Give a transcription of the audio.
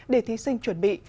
để thí sinh chuẩn bị